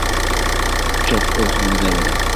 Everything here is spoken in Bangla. চক্র ভাঙা যাবে না?